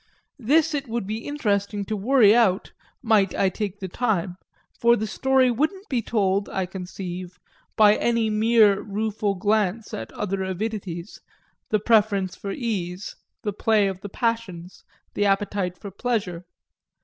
This it would be interesting to worry out, might I take the time; for the story wouldn't be told, I conceive, by any mere rueful glance at other avidities, the preference for ease, the play of the passions, the appetite for pleasure.